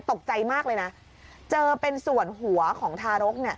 ตกใจมากเลยนะเจอเป็นส่วนหัวของทารกเนี่ย